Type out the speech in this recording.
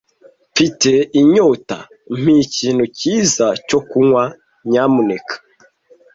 Mfite inyota. Mpa ikintu cyiza cyo kunywa, nyamuneka.